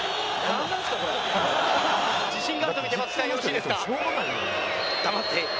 自信があると見て松木さんよろしいですか？